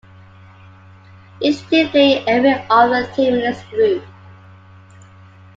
Each team played every other team in its group.